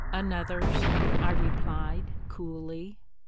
"Another's," I replied, coolly.